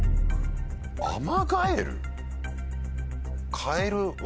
アマガエル？